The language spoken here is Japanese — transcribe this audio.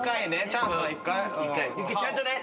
ちゃんとね。